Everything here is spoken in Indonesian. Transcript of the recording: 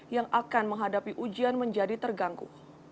yang akan menghadapi ujian menjadi terganggu